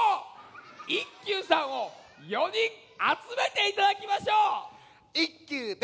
一休さんを４にんあつめていただきましょう。